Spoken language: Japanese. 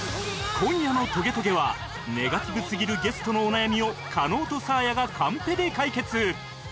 今夜の『トゲトゲ』はネガティブすぎるゲストのお悩みを加納とサーヤがカンペで解決！